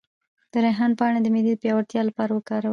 د ریحان پاڼې د معدې د پیاوړتیا لپاره وکاروئ